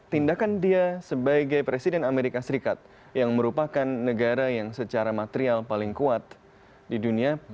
tindakan dia sebagai presiden amerika serikat yang merupakan negara yang secara material paling kuat di dunia